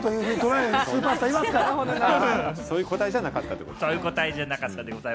そういう答えじゃなかったってこと？